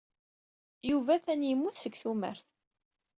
Yuba atan yemmut seg tumert.